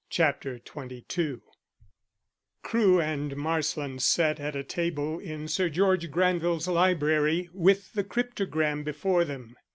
CHAPTER XXII CREWE and Marsland sat at a table in Sir George Granville's library with the cryptogram before them.